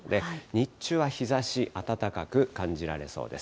日中は日ざし暖かく感じられそうです。